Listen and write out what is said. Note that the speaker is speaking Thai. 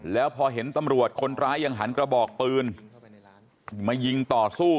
แล้วพอเห็นตำรวจคนร้ายยังหันกระบอกปืนมายิงต่อสู้